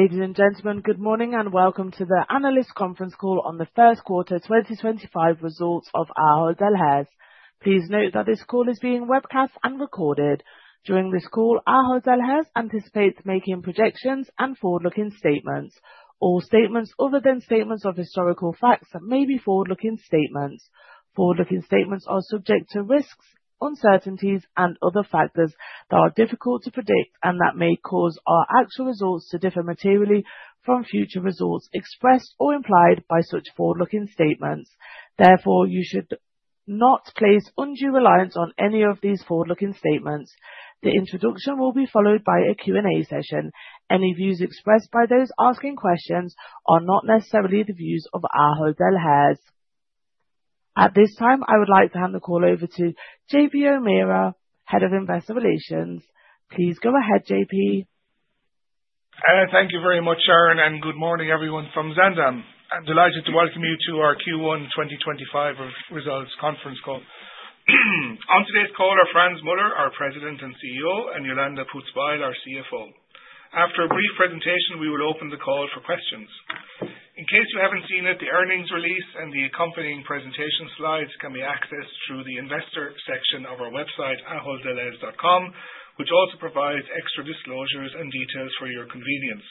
Ladies and gentlemen, good morning and welcome to the Analyst Conference Call on the First Quarter 2025 results of Ahold Delhaize. Please note that this call is being webcast and recorded. During this call, Ahold Delhaize anticipates making projections and forward-looking statements. All statements other than statements of historical facts may be forward-looking statements. Forward-looking statements are subject to risks, uncertainties, and other factors that are difficult to predict and that may cause our actual results to differ materially from future results expressed or implied by such forward-looking statements. Therefore, you should not place undue reliance on any of these forward-looking statements. The introduction will be followed by a Q&A session. Any views expressed by those asking questions are not necessarily the views of Ahold Delhaize. At this time, I would like to hand the call over to JP O'Meara, Head of Investor Relations. Please go ahead, JP. Thank you very much, Sharon, and good morning, everyone from Zaandam. I'm delighted to welcome you to our Q1 2025 results conference call. On today's call are Frans Muller, our President and CEO, and Jolanda Poots-Bijl, our CFO. After a brief presentation, we will open the call for questions. In case you haven't seen it, the earnings release and the accompanying presentation slides can be accessed through the investor section of our website, aholddelhaize.com, which also provides extra disclosures and details for your convenience.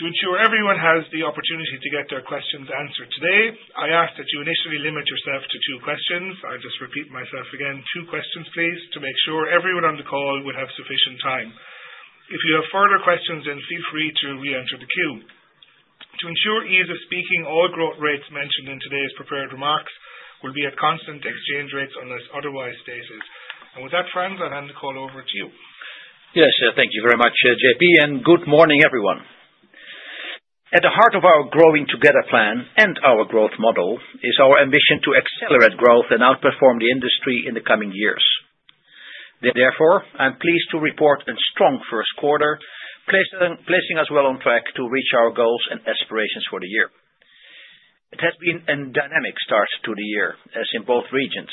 To ensure everyone has the opportunity to get their questions answered today, I ask that you initially limit yourself to two questions. I'll just repeat myself again: two questions, please, to make sure everyone on the call would have sufficient time. If you have further questions, then feel free to re-enter the queue. To ensure ease of speaking, all growth rates mentioned in today's prepared remarks will be at constant exchange rates unless otherwise stated. With that, Frans, I'll hand the call over to you. Yes, thank you very much, JP, and good morning, everyone. At the heart of our Growing Together plan and our growth model is our ambition to accelerate growth and outperform the industry in the coming years. Therefore, I'm pleased to report a strong first quarter, placing us well on track to reach our goals and aspirations for the year. It has been a dynamic start to the year, as in both regions,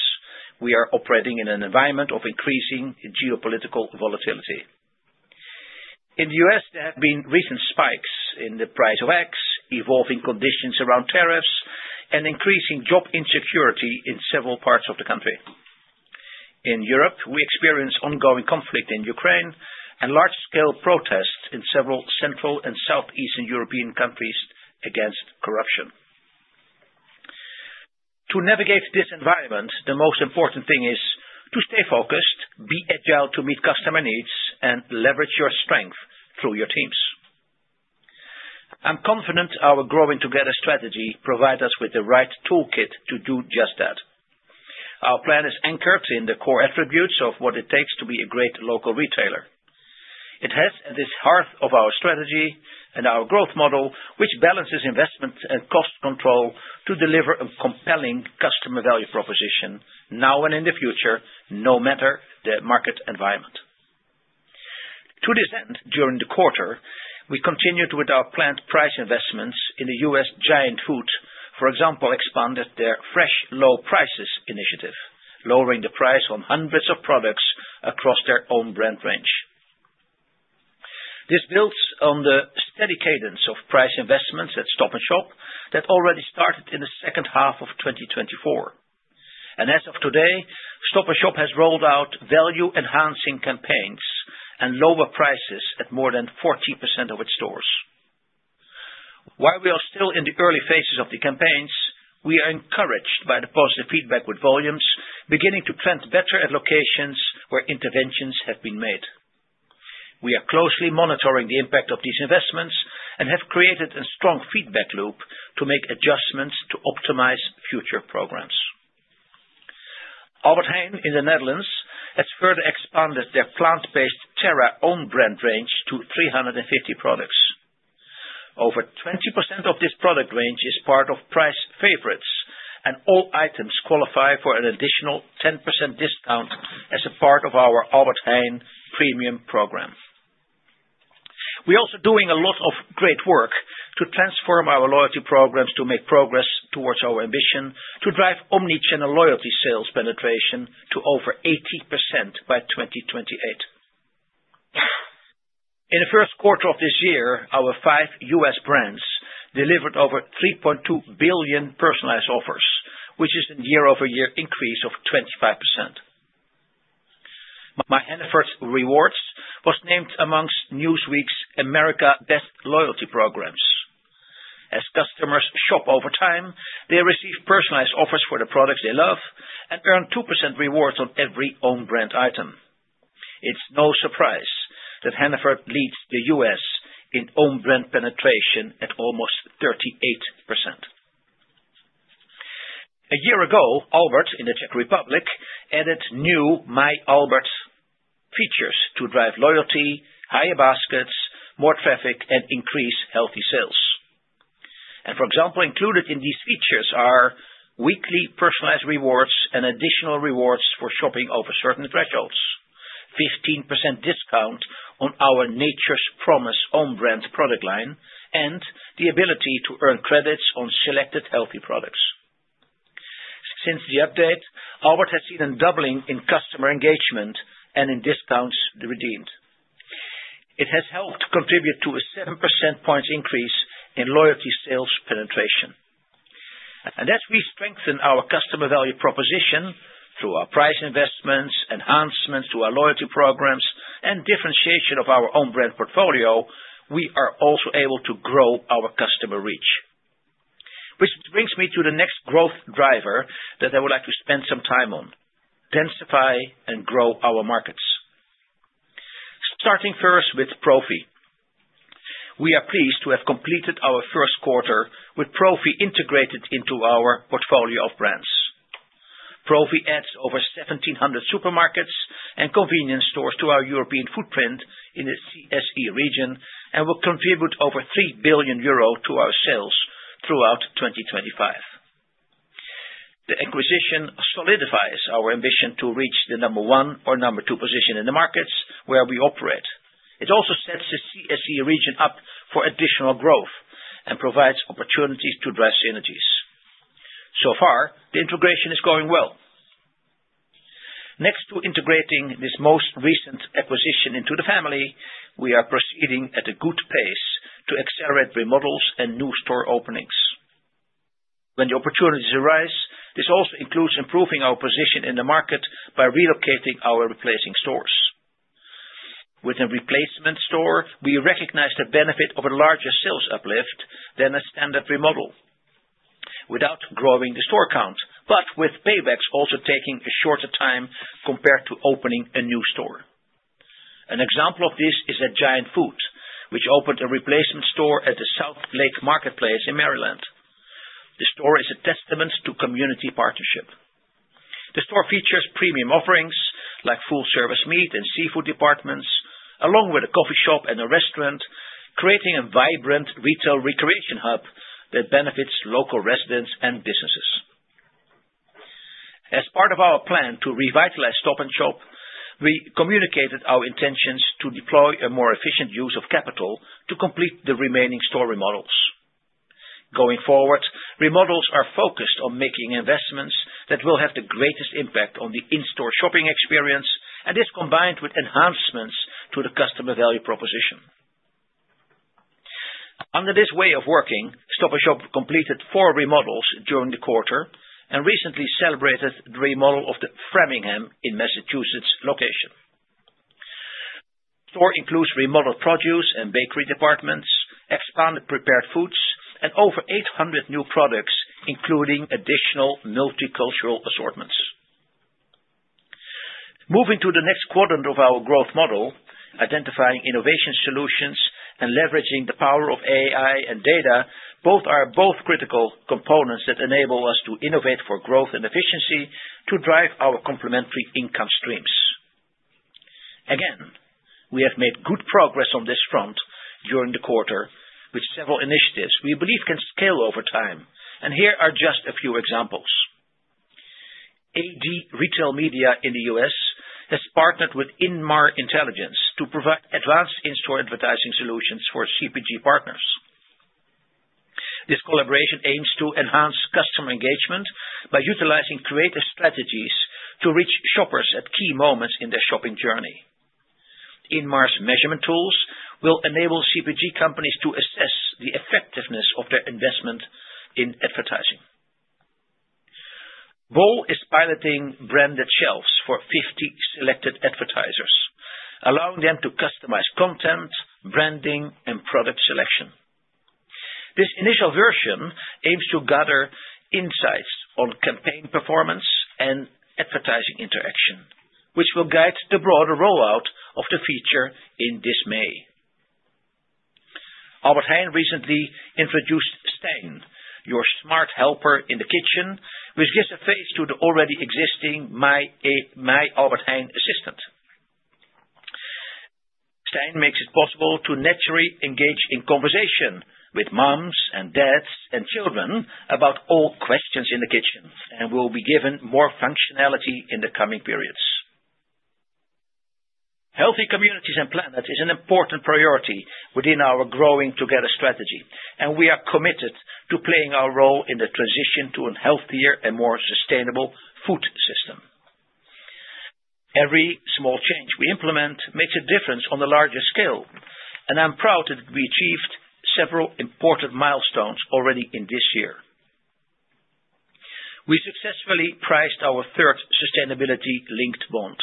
we are operating in an environment of increasing geopolitical volatility. In the U.S., there have been recent spikes in the price of eggs, evolving conditions around tariffs, and increasing job insecurity in several parts of the country. In Europe, we experience ongoing conflict in Ukraine and large-scale protests in several Central and Southeastern European countries against corruption. To navigate this environment, the most important thing is to stay focused, be agile to meet customer needs, and leverage your strength through your teams. I'm confident our Growing Together strategy provides us with the right toolkit to do just that. Our plan is anchored in the core attributes of what it takes to be a great local retailer. It has at its heart our strategy and our growth model, which balances investment and cost control to deliver a compelling customer value proposition now and in the future, no matter the market environment. To this end, during the quarter, we continued with our planned price investments in the U.S. Giant Food, for example, expanded their fresh low prices initiative, lowering the price on hundreds of products across their own brand range. This builds on the steady cadence of price investments at Stop & Shop that already started in the second half of 2024. As of today, Stop & Shop has rolled out value-enhancing campaigns and lower prices at more than 40% of its stores. While we are still in the early phases of the campaigns, we are encouraged by the positive feedback with volumes beginning to trend better at locations where interventions have been made. We are closely monitoring the impact of these investments and have created a strong feedback loop to make adjustments to optimize future programs. Albert Heijn in the Netherlands has further expanded their plant-based Terra own brand range to 350 products. Over 20% of this product range is part of price favorites, and all items qualify for an additional 10% discount as a part of our Albert Heijn Premium program. We are also doing a lot of great work to transform our loyalty programs to make progress towards our ambition to drive omnichannel loyalty sales penetration to over 80% by 2028. In the first quarter of this year, our five U.S. brands delivered over $3.2 billion personalized offers, which is a year-over-year increase of 25%. My Efforts Rewards was named amongst Newsweek's America Best Loyalty Programs. As customers shop over time, they receive personalized offers for the products they love and earn 2% rewards on every own brand item. It's no surprise that Hannaford leads the U.S. in own brand penetration at almost 38%. A year ago, Albert in the Czech Republic added new My Albert features to drive loyalty, higher baskets, more traffic, and increase healthy sales. For example, included in these features are weekly personalized rewards and additional rewards for shopping over certain thresholds, 15% discount on our Nature's Promise own brand product line, and the ability to earn credits on selected healthy products. Since the update, Albert has seen a doubling in customer engagement and in discounts redeemed. It has helped contribute to a 7 percentage points increase in loyalty sales penetration. As we strengthen our customer value proposition through our price investments, enhancements to our loyalty programs, and differentiation of our own brand portfolio, we are also able to grow our customer reach, which brings me to the next growth driver that I would like to spend some time on: densify and grow our markets. Starting first with Profi. We are pleased to have completed our first quarter with Profi integrated into our portfolio of brands. Profi adds over 1,700 supermarkets and convenience stores to our European footprint in the CSE region and will contribute over 3 billion euro to our sales throughout 2025. The acquisition solidifies our ambition to reach the number one or number two position in the markets where we operate. It also sets the CSE region up for additional growth and provides opportunities to drive synergies. So far, the integration is going well. Next to integrating this most recent acquisition into the family, we are proceeding at a good pace to accelerate remodels and new store openings. When the opportunities arise, this also includes improving our position in the market by relocating or replacing stores. With a replacement store, we recognize the benefit of a larger sales uplift than a standard remodel, without growing the store count, but with paybacks also taking a shorter time compared to opening a new store. An example of this is a Giant Food, which opened a replacement store at the South Lake Marketplace in Maryland. The store is a testament to community partnership. The store features premium offerings like full-service meat and seafood departments, along with a coffee shop and a restaurant, creating a vibrant retail recreation hub that benefits local residents and businesses. As part of our plan to revitalize Stop & Shop, we communicated our intentions to deploy a more efficient use of capital to complete the remaining store remodels. Going forward, remodels are focused on making investments that will have the greatest impact on the in-store shopping experience, and this combined with enhancements to the customer value proposition. Under this way of working, Stop & Shop completed four remodels during the quarter and recently celebrated the remodel of the Framingham in Massachusetts location. The store includes remodeled produce and bakery departments, expanded prepared foods, and over 800 new products, including additional multicultural assortments. Moving to the next quadrant of our growth model, identifying innovation solutions and leveraging the power of AI and data, both are critical components that enable us to innovate for growth and efficiency to drive our complementary income streams. Again, we have made good progress on this front during the quarter with several initiatives we believe can scale over time, and here are just a few examples. AD Retail Media in the U.S. has partnered with Inmar Intelligence to provide advanced in-store advertising solutions for CPG partners. This collaboration aims to enhance customer engagement by utilizing creative strategies to reach shoppers at key moments in their shopping journey. Inmar's measurement tools will enable CPG companies to assess the effectiveness of their investment in advertising. BOL is piloting branded shelves for 50 selected advertisers, allowing them to customize content, branding, and product selection. This initial version aims to gather insights on campaign performance and advertising interaction, which will guide the broader rollout of the feature in this May. Albert Heijn recently introduced Staine, your smart helper in the kitchen, which gives a face to the already existing My Albert Heijn assistant. Staine makes it possible to naturally engage in conversation with moms and dads and children about all questions in the kitchen and will be given more functionality in the coming periods. Healthy communities and planet is an important priority within our Growing Together strategy, and we are committed to playing our role in the transition to a healthier and more sustainable food system. Every small change we implement makes a difference on the larger scale, and I'm proud that we achieved several important milestones already in this year. We successfully priced our third sustainability-linked bond.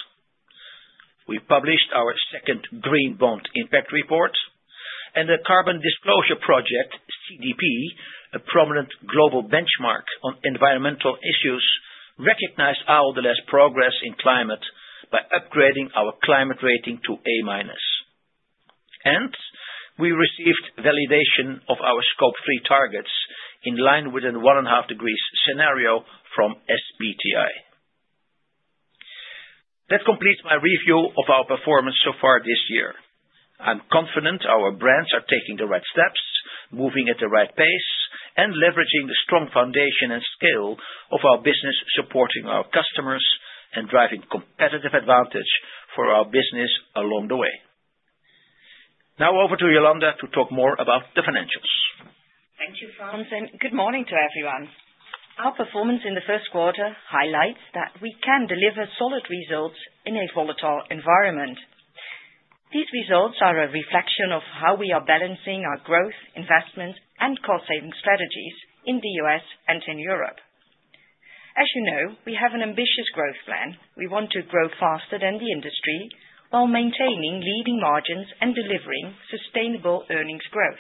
We published our second Green Bond Impact Report, and the Carbon Disclosure Project, CDP, a prominent global benchmark on environmental issues, recognized our progress in climate by upgrading our climate rating to A-. We received validation of our Scope 3 targets in line with the one and a half degrees scenario from SBTI. That completes my review of our performance so far this year. I'm confident our brands are taking the right steps, moving at the right pace, and leveraging the strong foundation and scale of our business, supporting our customers and driving competitive advantage for our business along the way. Now, over to Jolanda to talk more about the financials. Thank you, Frans, and good morning to everyone. Our performance in the first quarter highlights that we can deliver solid results in a volatile environment. These results are a reflection of how we are balancing our growth, investment, and cost-saving strategies in the U.S. and in Europe. As you know, we have an ambitious growth plan. We want to grow faster than the industry while maintaining leading margins and delivering sustainable earnings growth.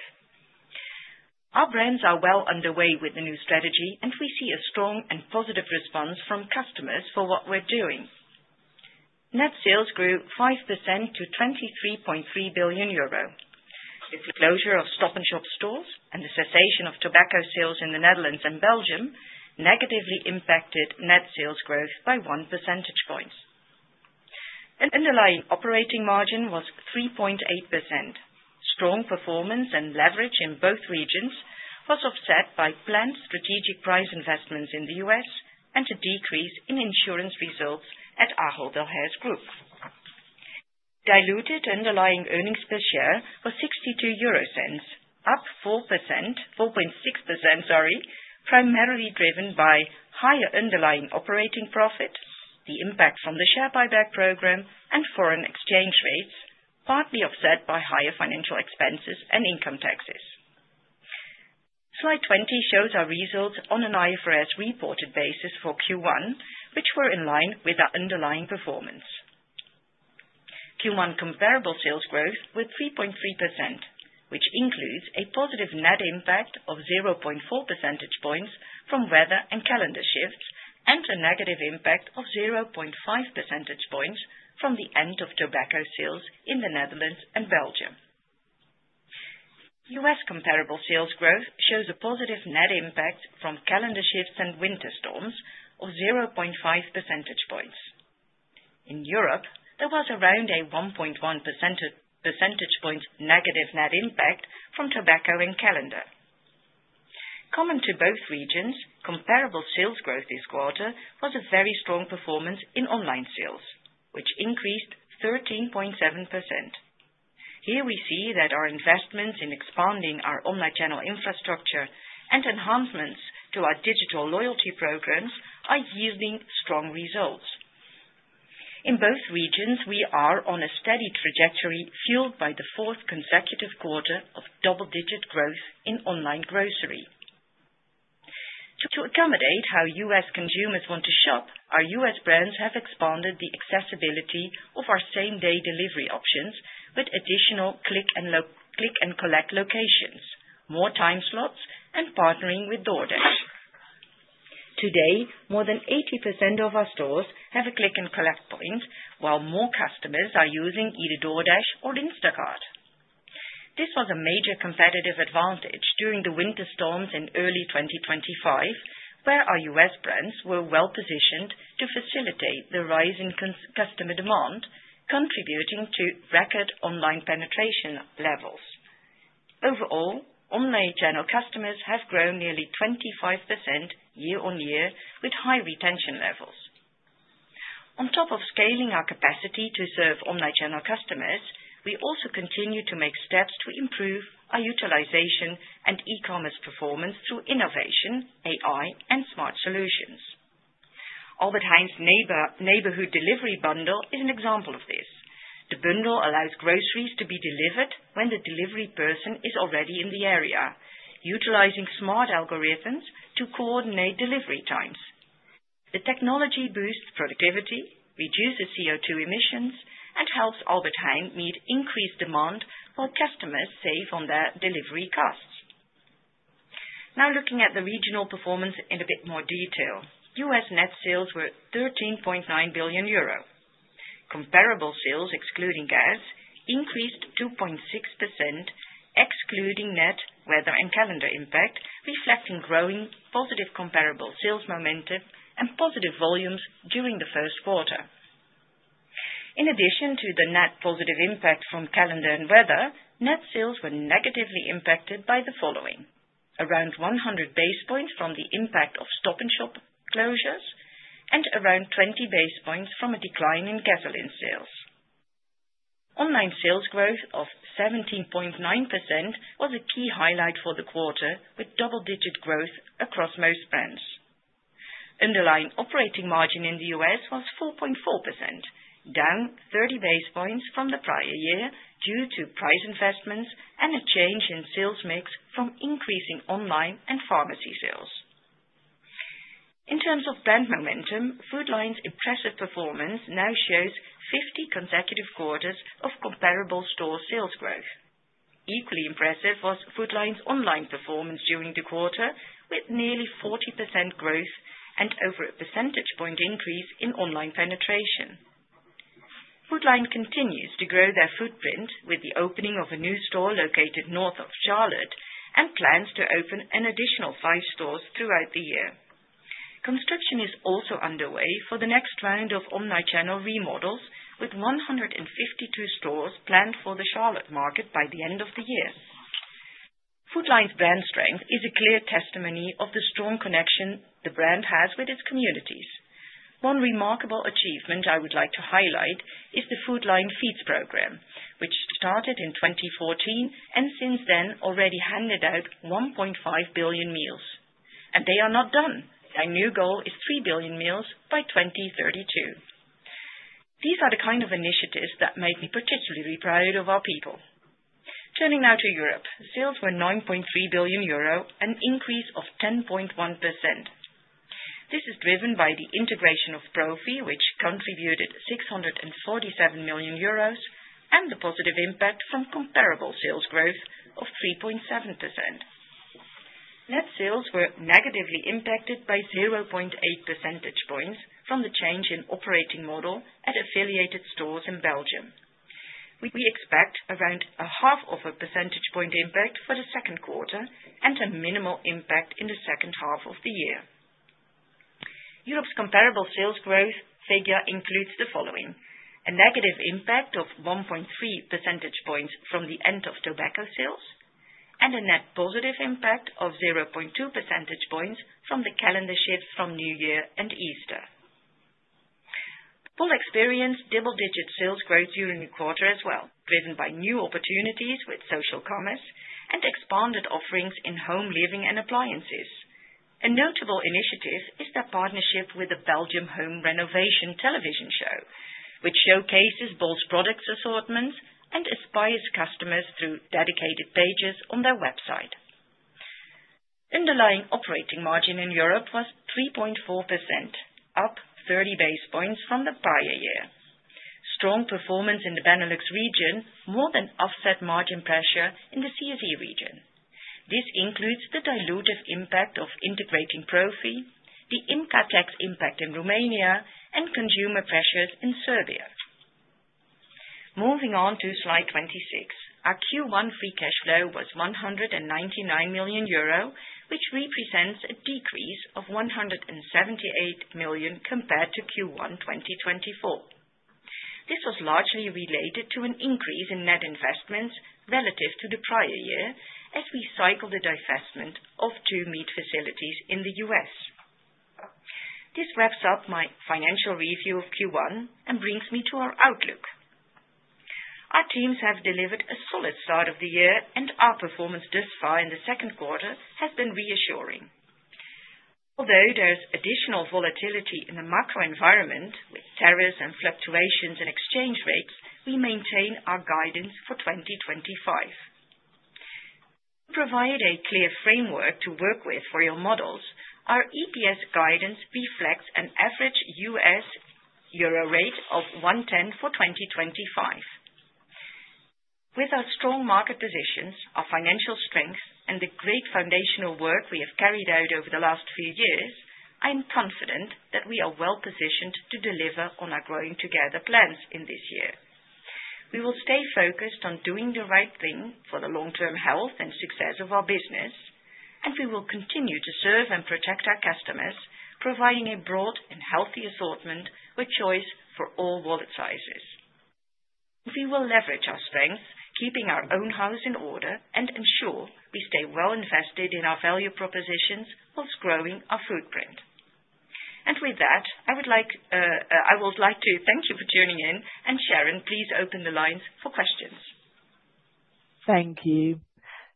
Our brands are well underway with the new strategy, and we see a strong and positive response from customers for what we're doing. Net sales grew 5% to 23.3 billion euro. The closure of Stop & Shop stores and the cessation of tobacco sales in the Netherlands and Belgium negatively impacted net sales growth by 1 percentage point. The underlying operating margin was 3.8%. Strong performance and leverage in both regions was offset by planned strategic price investments in the U.S. and a decrease in insurance results at Ahold Delhaize Group. Diluted underlying earnings per share was 0.62, up 4.6%, primarily driven by higher underlying operating profit, the impact from the share buyback program, and foreign exchange rates, partly offset by higher financial expenses and income taxes. Slide 20 shows our results on an IFRS-reported basis for Q1, which were in line with our underlying performance. Q1 comparable sales growth was 3.3%, which includes a positive net impact of 0.4 percentage points from weather and calendar shifts and a negative impact of 0.5 percentage points from the end of tobacco sales in the Netherlands and Belgium. U.S. comparable sales growth shows a positive net impact from calendar shifts and winter storms of 0.5 percentage points. In Europe, there was around a 1.1 percentage point negative net impact from tobacco and calendar. Common to both regions, comparable sales growth this quarter was a very strong performance in online sales, which increased 13.7%. Here we see that our investments in expanding our omnichannel infrastructure and enhancements to our digital loyalty programs are yielding strong results. In both regions, we are on a steady trajectory fueled by the fourth consecutive quarter of double-digit growth in online grocery. To accommodate how US consumers want to shop, our U.S. brands have expanded the accessibility of our same-day delivery options with additional click and collect locations, more time slots, and partnering with DoorDash. Today, more than 80% of our stores have a click and collect point, while more customers are using either DoorDash or Instacart. This was a major competitive advantage during the winter storms in early 2025, where our U.S. brands were well positioned to facilitate the rise in customer demand, contributing to record online penetration levels. Overall, omnichannel customers have grown nearly 25% year on year with high retention levels. On top of scaling our capacity to serve omnichannel customers, we also continue to make steps to improve our utilization and e-commerce performance through innovation, AI, and smart solutions. Albert Heijn's neighborhood delivery bundle is an example of this. The bundle allows groceries to be delivered when the delivery person is already in the area, utilizing smart algorithms to coordinate delivery times. The technology boosts productivity, reduces CO2 emissions, and helps Albert Heijn meet increased demand while customers save on their delivery costs. Now, looking at the regional performance in a bit more detail, US net sales were 13.9 billion euro. Comparable sales, excluding gas, increased 2.6%, excluding net, weather, and calendar impact, reflecting growing positive comparable sales momentum and positive volumes during the first quarter. In addition to the net positive impact from calendar and weather, net sales were negatively impacted by the following: around 100 basis points from the impact of Stop & Shop closures and around 20 basis points from a decline in gasoline sales. Online sales growth of 17.9% was a key highlight for the quarter, with double-digit growth across most brands. Underlying operating margin in the U.S. was 4.4%, down 30 basis points from the prior year due to price investments and a change in sales mix from increasing online and pharmacy sales. In terms of brand momentum, Food Lion's impressive performance now shows 50 consecutive quarters of comparable store sales growth. Equally impressive was Food Lion's online performance during the quarter, with nearly 40% growth and over a percentage point increase in online penetration. Food Lion continues to grow their footprint with the opening of a new store located north of Charlotte and plans to open an additional five stores throughout the year. Construction is also underway for the next round of omnichannel remodels, with 152 stores planned for the Charlotte market by the end of the year. Food Lion's brand strength is a clear testimony of the strong connection the brand has with its communities. One remarkable achievement I would like to highlight is the Food Lion Feeds program, which started in 2014 and since then already handed out 1.5 billion meals. They are not done. Their new goal is 3 billion meals by 2032. These are the kind of initiatives that make me particularly proud of our people. Turning now to Europe, sales were 9.3 billion euro, an increase of 10.1%. This is driven by the integration of Profi, which contributed 647 million euros, and the positive impact from comparable sales growth of 3.7%. Net sales were negatively impacted by 0.8 percentage points from the change in operating model at affiliated stores in Belgium. We expect around a half of a percentage point impact for the second quarter and a minimal impact in the second half of the year. Europe's comparable sales growth figure includes the following: a negative impact of 1.3 percentage points from the end of tobacco sales and a net positive impact of 0.2 percentage points from the calendar shift from New Year and Easter. BOL experienced double-digit sales growth during the quarter as well, driven by new opportunities with social commerce and expanded offerings in home living and appliances. A notable initiative is their partnership with the Belgium Home Renovation television show, which showcases BOL's product assortments and aspires customers through dedicated pages on their website. Underlying operating margin in Europe was 3.4%, up 30 basis points from the prior year. Strong performance in the Benelux region more than offset margin pressure in the CZ region. This includes the dilutive impact of integrating Profi, the IMCATEX impact in Romania, and consumer pressures in Serbia. Moving on to slide 26, our Q1 free cash flow was 199 million euro, which represents a decrease of 178 million compared to Q1 2024. This was largely related to an increase in net investments relative to the prior year as we cycled the divestment of two meat facilities in the U.S. This wraps up my financial review of Q1 and brings me to our outlook. Our teams have delivered a solid start of the year, and our performance thus far in the second quarter has been reassuring. Although there's additional volatility in the macro environment with tariffs and fluctuations in exchange rates, we maintain our guidance for 2025. To provide a clear framework to work with for your models, our EPS guidance reflects an average U.S. dollar-euro rate of 1.10 for 2025. With our strong market positions, our financial strength, and the great foundational work we have carried out over the last few years, I am confident that we are well positioned to deliver on our Growing Together plans in this year. We will stay focused on doing the right thing for the long-term health and success of our business, and we will continue to serve and protect our customers, providing a broad and healthy assortment with choice for all wallet sizes. We will leverage our strengths, keeping our own house in order, and ensure we stay well invested in our value propositions whilst growing our footprint. I would like to thank you for tuning in, and Sharon, please open the lines for questions. Thank you.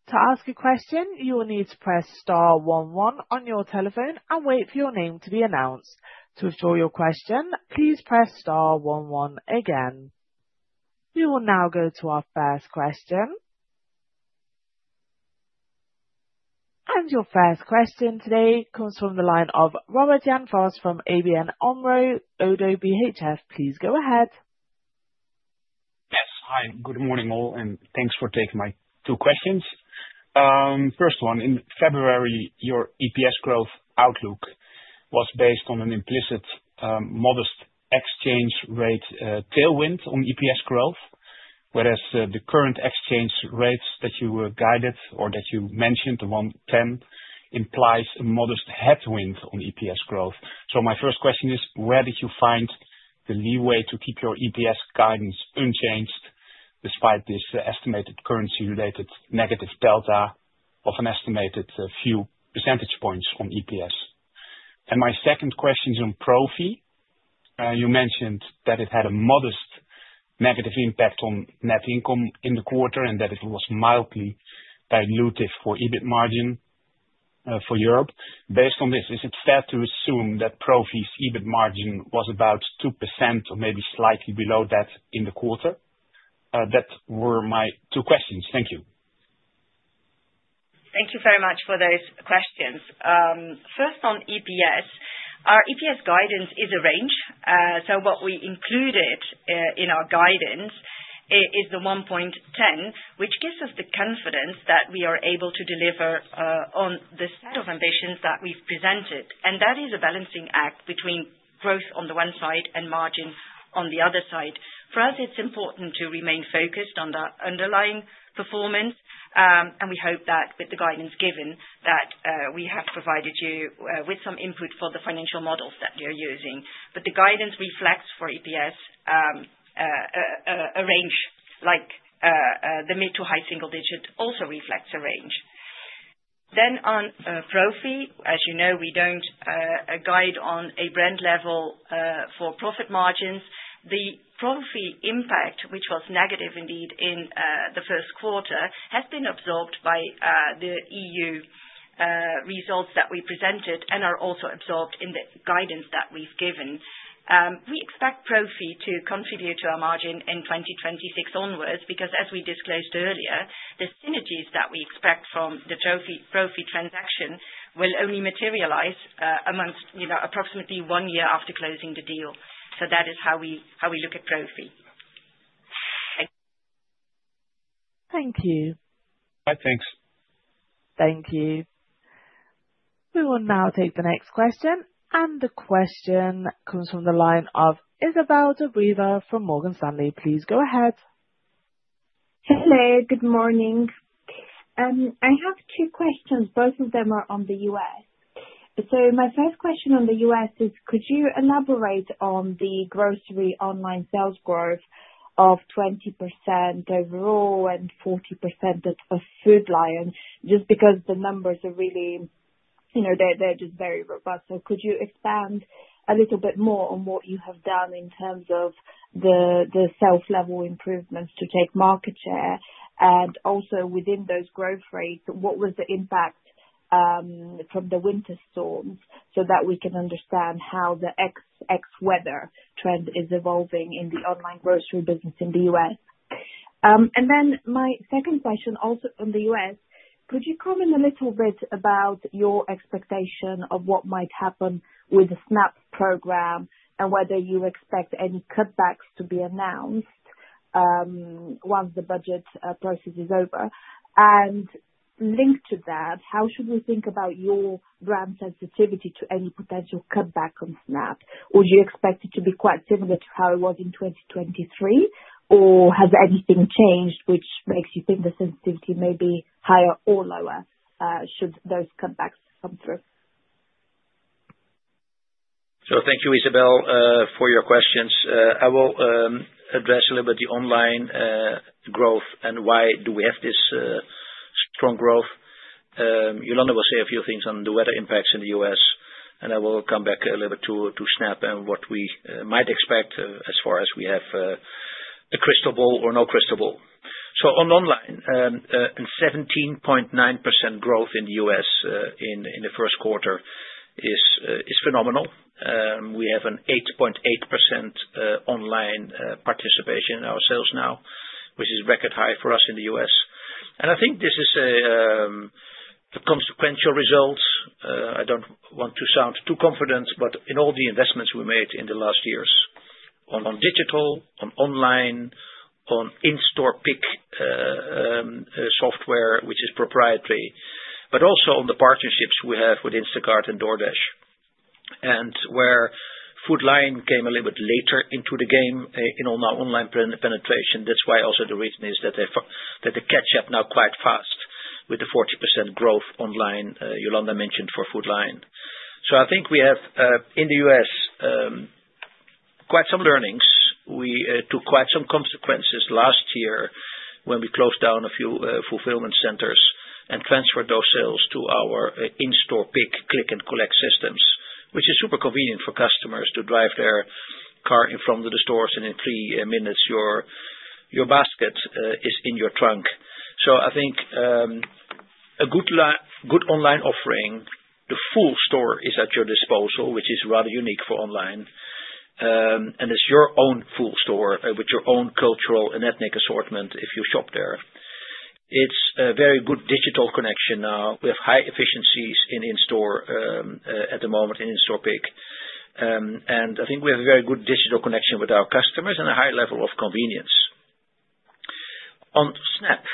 To ask a question, you will need to press star 11 on your telephone and wait for your name to be announced. To withdraw your question, please press star 11 again. We will now go to our first question. Your first question today comes from the line of Robert Jan Vos from ABN AMRO ODDO BHF. Please go ahead. Yes, hi. Good morning all, and thanks for taking my two questions. First one, in February, your EPS growth outlook was based on an implicit modest exchange rate tailwind on EPS growth, whereas the current exchange rates that you guided or that you mentioned, the 1.10, implies a modest headwind on EPS growth. My first question is, where did you find the leeway to keep your EPS guidance unchanged despite this estimated currency-related negative delta of an estimated few percentage points on EPS? My second question is on Profi. You mentioned that it had a modest negative impact on net income in the quarter and that it was mildly dilutive for EBIT margin for Europe. Based on this, is it fair to assume that Profi's EBIT margin was about 2% or maybe slightly below that in the quarter? That were my two questions. Thank you. Thank you very much for those questions. First on EPS, our EPS guidance is a range. What we included in our guidance is the $1.10, which gives us the confidence that we are able to deliver on the set of ambitions that we've presented. That is a balancing act between growth on the one side and margin on the other side. For us, it's important to remain focused on the underlying performance, and we hope that with the guidance given that we have provided you with some input for the financial models that you're using. The guidance reflects for EPS a range like the mid to high single digit also reflects a range. On Profi, as you know, we don't guide on a brand level for profit margins. The Profi impact, which was negative indeed in the first quarter, has been absorbed by the EU results that we presented and are also absorbed in the guidance that we've given. We expect Profi to contribute to our margin in 2026 onwards because, as we disclosed earlier, the synergies that we expect from the Profi transaction will only materialize amongst approximately one year after closing the deal. That is how we look at Profi. Thank you. Thanks. Thank you. We will now take the next question. The question comes from the line of Izabel Dobreva from Morgan Stanley. Please go ahead. Hello, good morning. I have two questions. Both of them are on the U.S. My first question on the U.S.. is, could you elaborate on the grocery online sales growth of 20% overall and 40% at Food Lion just because the numbers are really, they're just very robust? Could you expand a little bit more on what you have done in terms of the sales level improvements to take market share? Also, within those growth rates, what was the impact from the winter storms so that we can understand how the ex-weather trend is evolving in the online grocery business in the U.S.? My second question, also on the U.S., could you comment a little bit about your expectation of what might happen with the SNAP program and whether you expect any cutbacks to be announced once the budget process is over? Linked to that, how should we think about your brand sensitivity to any potential cutback on SNAP? Would you expect it to be quite similar to how it was in 2023, or has anything changed which makes you think the sensitivity may be higher or lower should those cutbacks come through? Thank you, Isabelle, for your questions. I will address a little bit the online growth and why we have this strong growth. Jolanda will say a few things on the weather impacts in the U.S., and I will come back a little bit to SNAP and what we might expect as far as we have a crystal ball or no crystal ball. On online, a 17.9% growth in the U.S. in the first quarter is phenomenal. We have an 8.8% online participation in our sales now, which is record high for us in the U.S. I think this is a consequential result. I don't want to sound too confident, but in all the investments we made in the last years on digital, on online, on in-store pick software, which is proprietary, but also on the partnerships we have with Instacart and DoorDash, and where Food Lion came a little bit later into the game in online penetration. That's also the reason that they catch up now quite fast with the 40% growth online Jolanda mentioned for Food Lion. I think we have in the U.S. quite some learnings. We took quite some consequences last year when we closed down a few fulfillment centers and transferred those sales to our in-store pick, click-and-collect systems, which is super convenient for customers to drive their car in front of the stores, and in three minutes, your basket is in your trunk. I think a good online offering, the full store is at your disposal, which is rather unique for online, and it's your own full store with your own cultural and ethnic assortment if you shop there. It's a very good digital connection now. We have high efficiencies in in-store at the moment in in-store pick. I think we have a very good digital connection with our customers and a high level of convenience. On SNAP,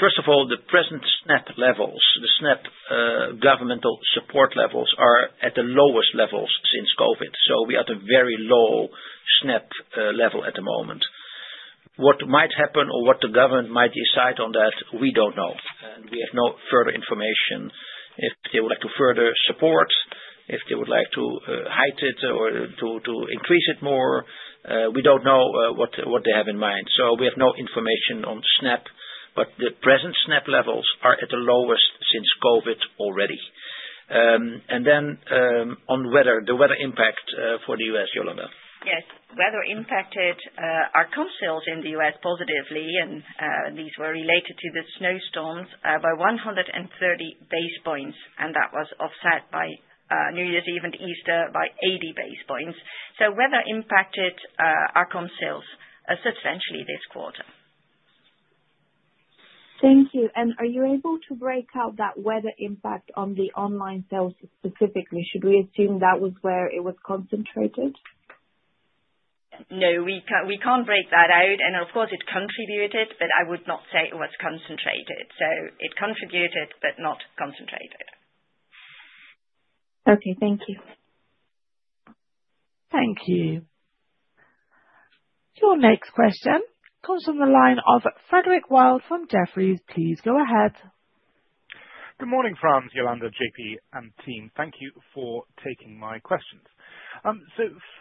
first of all, the present SNAP levels, the SNAP governmental support levels are at the lowest levels since COVID. We are at a very low SNAP level at the moment. What might happen or what the government might decide on that, we don't know. We have no further information if they would like to further support, if they would like to hide it or to increase it more. We don't know what they have in mind. We have no information on SNAP, but the present SNAP levels are at the lowest since COVID already. On weather, the weather impact for the U.S., Jolanda. Yes. Weather impacted our coastal sales in the U.S. positively, and these were related to the snowstorms by 130 basis points, and that was offset by New Year's Eve and Easter by 80 basis points. Weather impacted our coastal sales substantially this quarter. Thank you. Are you able to break out that weather impact on the online sales specifically? Should we assume that was where it was concentrated? No, we can't break that out. Of course, it contributed, but I would not say it was concentrated. It contributed, but not concentrated. Okay. Thank you. Thank you. Your next question comes from the line of Frederick Wild from Jefferies. Please go ahead. Good morning, Frans, Jolanda, JP, and team. Thank you for taking my questions.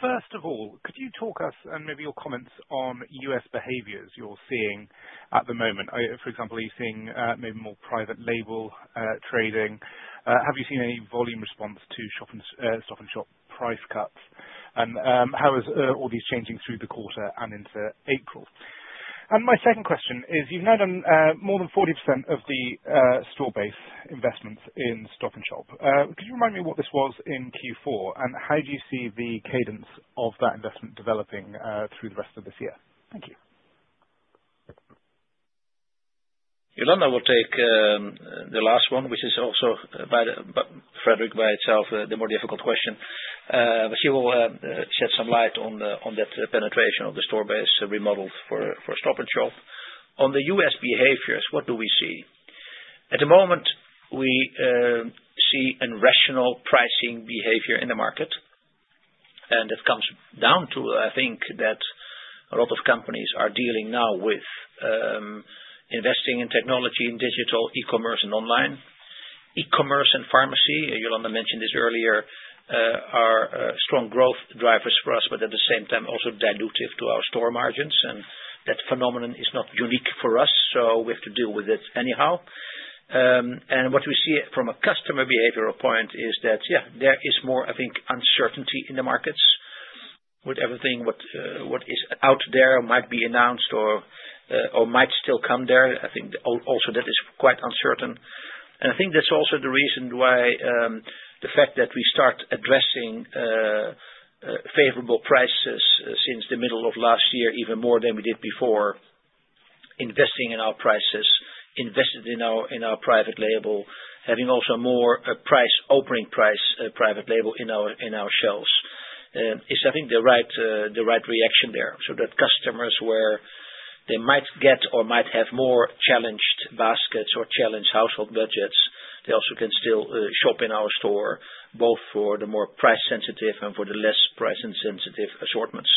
First of all, could you talk us and maybe your comments on U.S. behaviors you are seeing at the moment? For example, are you seeing maybe more private label trading? Have you seen any volume response to Stop & Shop price cuts? How is all this changing through the quarter and into April? My second question is, you have now done more than 40% of the store-based investments in Stop & Shop. Could you remind me what this was in Q4, and how do you see the cadence of that investment developing through the rest of this year? Thank you. Jolanda will take the last one, which is also by Frederick by itself, the more difficult question. She will shed some light on that penetration of the store-based remodels for Stop & Shop. On the U.S. behaviors, what do we see? At the moment, we see an irrational pricing behavior in the market, and it comes down to, I think, that a lot of companies are dealing now with investing in technology, in digital, e-commerce, and online. E-commerce and pharmacy, Jolanda mentioned this earlier, are strong growth drivers for us, but at the same time, also dilutive to our store margins. That phenomenon is not unique for us, so we have to deal with it anyhow. What we see from a customer behavioral point is that, yeah, there is more, I think, uncertainty in the markets with everything what is out there might be announced or might still come there. I think also that is quite uncertain. I think that's also the reason why the fact that we start addressing favorable prices since the middle of last year, even more than we did before, investing in our prices, invested in our private label, having also more opening price private label in our shelves is, I think, the right reaction there. That customers where they might get or might have more challenged baskets or challenged household budgets, they also can still shop in our store, both for the more price-sensitive and for the less price-sensitive assortments.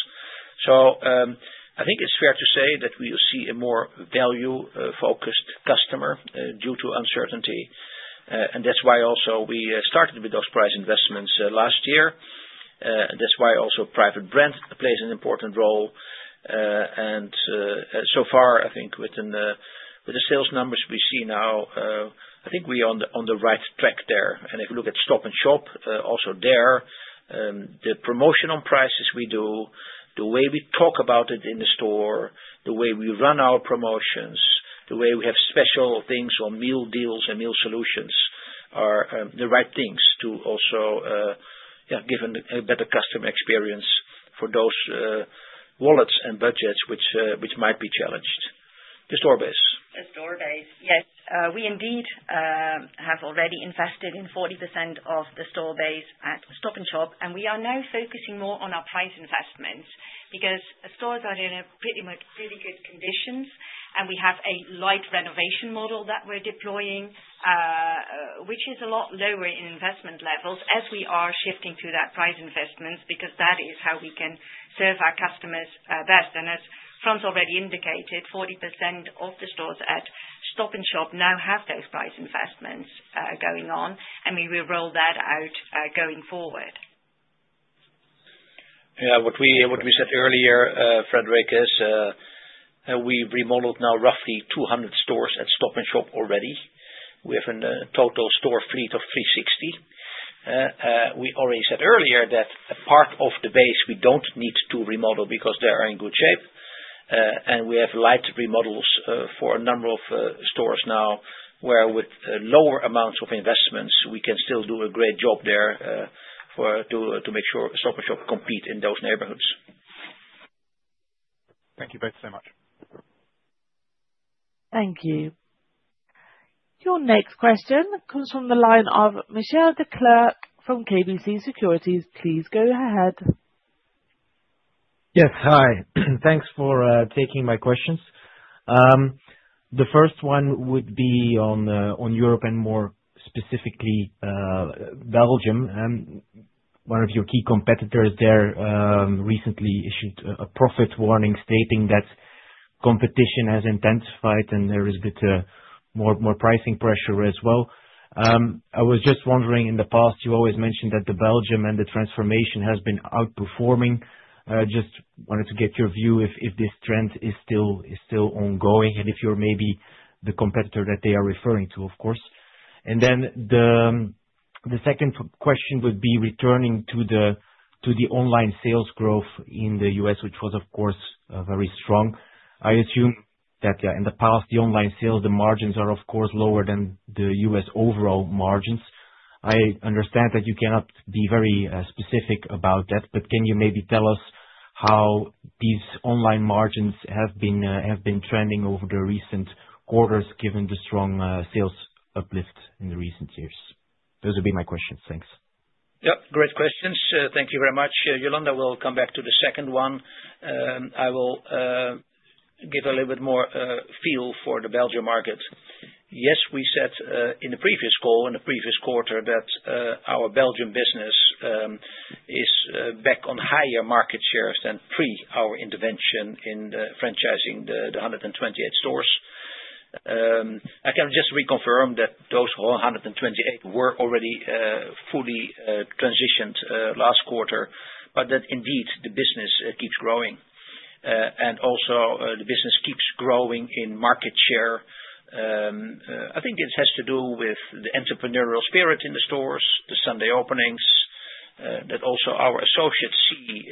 I think it's fair to say that we see a more value-focused customer due to uncertainty. That's why also we started with those price investments last year. That's why also private brand plays an important role. So far, I think with the sales numbers we see now, I think we are on the right track there. If you look at Stop & Shop, also there, the promotion on prices we do, the way we talk about it in the store, the way we run our promotions, the way we have special things on meal deals and meal solutions are the right things to also give a better customer experience for those wallets and budgets which might be challenged. The store-based. The store-based. Yes. We indeed have already invested in 40% of the store-based at Stop & Shop, and we are now focusing more on our price investments because stores are in pretty good conditions, and we have a light renovation model that we're deploying, which is a lot lower in investment levels as we are shifting to that price investments because that is how we can serve our customers best. As Frans already indicated, 40% of the stores at Stop & Shop now have those price investments going on, and we will roll that out going forward. Yeah. What we said earlier, Frederick, is we've remodeled now roughly 200 stores at Stop & Shop already. We have a total store fleet of 360. We already said earlier that a part of the base we don't need to remodel because they are in good shape. We have light remodels for a number of stores now where with lower amounts of investments, we can still do a great job there to make sure Stop & Shop compete in those neighborhoods. Thank you both so much. Thank you. Your next question comes from the line of Michiel Declercq from KBC Securities. Please go ahead. Yes. Hi. Thanks for taking my questions. The first one would be on Europe and more specifically Belgium. One of your key competitors there recently issued a profit warning stating that competition has intensified and there is a bit more pricing pressure as well. I was just wondering, in the past, you always mentioned that Belgium and the transformation has been outperforming. Just wanted to get your view if this trend is still ongoing and if you're maybe the competitor that they are referring to, of course. The second question would be returning to the online sales growth in the U.S., which was, of course, very strong. I assume that in the past, the online sales, the margins are, of course, lower than the U.S. overall margins. I understand that you cannot be very specific about that, but can you maybe tell us how these online margins have been trending over the recent quarters given the strong sales uplift in the recent years? Those would be my questions. Thanks. Yep. Great questions. Thank you very much. Jolanda will come back to the second one. I will give a little bit more feel for the Belgium market. Yes, we said in the previous call in the previous quarter that our Belgium business is back on higher market shares than pre our intervention in franchising the 128 stores. I can just reconfirm that those 128 were already fully transitioned last quarter, but that indeed the business keeps growing. The business keeps growing in market share. I think it has to do with the entrepreneurial spirit in the stores, the Sunday openings, that also our associates see